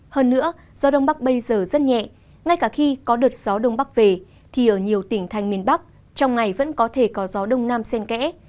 hơn nữa gió đông bắc bây giờ rất nhẹ ngay cả khi có đợt gió đông bắc về thì ở nhiều tỉnh thành miền bắc trong ngày vẫn có thể có gió đông nam sen kẽ